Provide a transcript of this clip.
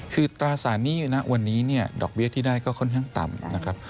คือตราสานีณวันนี้ดอกเบี้ยที่ได้ก็ค่อนข้างต่ำ